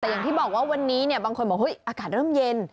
แต่อย่างที่บอกว่าวันนี้เนี่ยบางคนบอกอากาศเริ่มเย็น